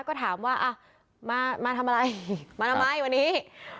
ก็ถามว่ามาทำอะไรมาทำไมวันนี้